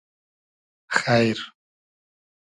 خݷر